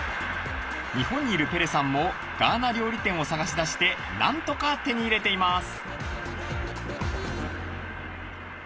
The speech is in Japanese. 日本にいるペレさんもガーナ料理店を探し出してなんとか手に入れています。